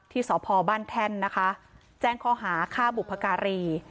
ที่สอบพอบ้านแท่นนะคะแจ้งข้อหาค่าบุภการี